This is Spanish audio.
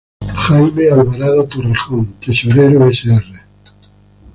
Jaime Alvarado Torrejón, Tesorero Sr.